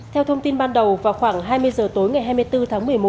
theo thông tin ban đầu vào khoảng hai mươi giờ tối ngày hai mươi bốn tháng một mươi một